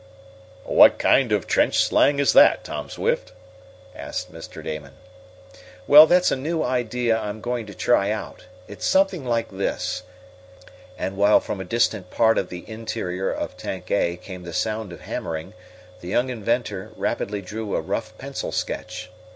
"What kind of trench slang is that, Tom Swift?" asked Mr. Damon. "Well, that's a new idea I'm going to try out It's something like this," and while from a distant part of the interior of Tank A came the sound of hammering, the young inventor rapidly drew a rough pencil sketch.